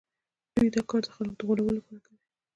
دوی دا کار د خلکو د غولولو لپاره کوي